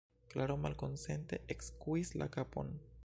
Klaro malkonsente ekskuis la kapon.